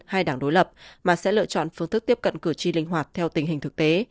hay đảng đối lập mà sẽ lựa chọn phương thức tiếp cận cửa trì linh hoạt theo tình hình thực tế